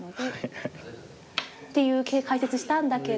っていう解説したんだけど。